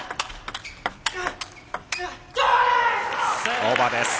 オーバーです。